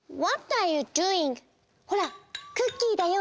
ほらクッキーだよ。